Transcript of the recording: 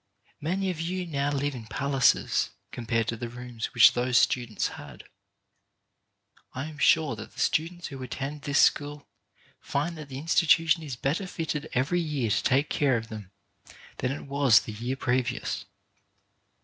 Many of you now live in palaces, com pared to the rooms which those students had. I am sure that the students who attend this school find that the institution • is better fitted every year to take care of them than it was the year previous.